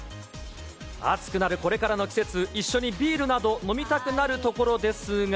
暑くなるこれからの季節、一緒にビールなど飲みたくなるところですが。